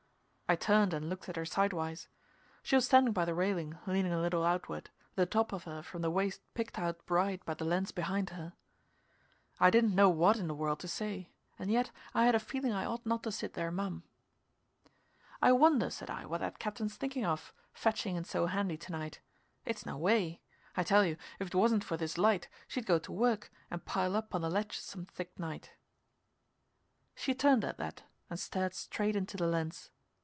I turned and looked at her sidewise. She was standing by the railing, leaning a little outward, the top of her from the waist picked out bright by the lens behind her. I didn't know what in the world to say, and yet I had a feeling I ought not to sit there mum. "I wonder," said I, "what that captain's thinking of, fetching in so handy to night. It's no way. I tell you, if 'twasn't for this light, she'd go to work and pile up on the ledge some thick night " She turned at that and stared straight into the lens.